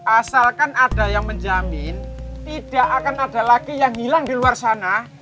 asalkan ada yang menjamin tidak akan ada lagi yang hilang di luar sana